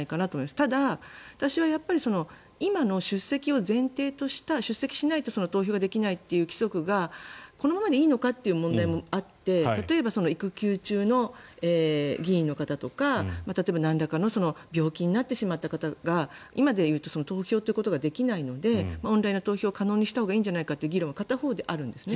ただ、私は今の出席を前提とした出席しないと投票ができないという規則がこのままでいいのかという問題もあって例えば、育休中の議員の方とか例えば、なんらかの病気になってしまった方が今でいうと投票ということができないのでオンラインの投票を可能にしたほうがいいんじゃないかという議論は片方ではあるんですね。